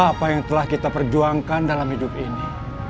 apa yang telah kita perjuangkan dalam hidup ini